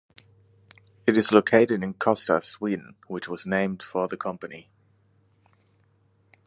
It is located in Kosta, Sweden, which was named for the company.